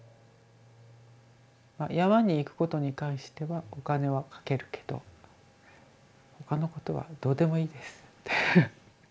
山に行くことに関してはお金はかけるけどほかのことはどうでもいいです。